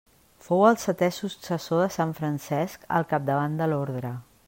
Fou el setè successor de sant Francesc al capdavant de l'orde.